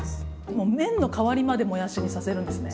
もう麺の代わりまでもやしにさせるんですね。